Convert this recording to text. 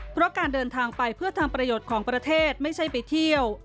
เพราะการเดินทางไปเพื่อทำประโยชน์ของประเทศไม่ใช่ไปเที่ยว